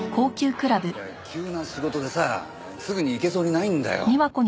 いや急な仕事でさすぐに行けそうにないんだよ。